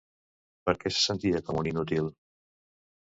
Per què se sentia com un inútil?